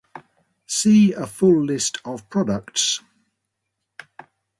See a full list of products